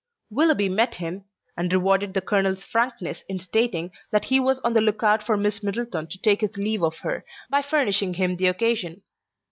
Willoughby met him, and rewarded the colonel's frankness in stating that he was on the look out for Miss Middleton to take his leave of her, by furnishing him the occasion.